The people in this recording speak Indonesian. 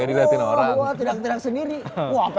itu udah kelihatan